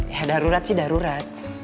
ya darurat sih darurat